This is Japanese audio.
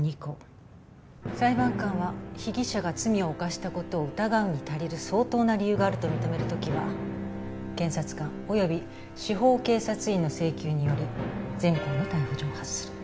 裁判官は被疑者が罪を犯した事を疑うに足りる相当な理由があると認める時は検察官及び司法警察員の請求により前項の逮捕状を発する。